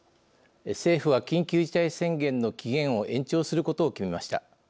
政府は緊急事態宣言の期限を延長することを決めました。